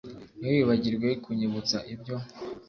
Ntiwibagirwe kunyibutsa ibyo